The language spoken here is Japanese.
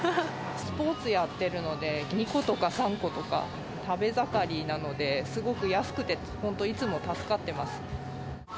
スポーツやってるので、２個とか３個とか、食べ盛りなので、すごく安くて本当、いつも助かってます。